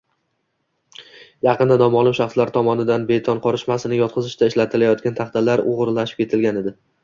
Yaqinda nomaʼlum shaxslar tomonidan beton qorishmasini yotqizishda ishlatilayotgan taxtalar oʻgʻirlab ketilgan edi.